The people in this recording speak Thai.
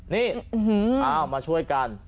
นี่เอามาช่วยกัน